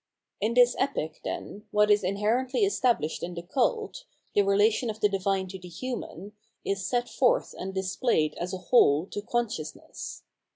In this Epic, then, what is inherently established m the cult, the relation of the divine to the human, is set forth and displayed as a whole to consciousness.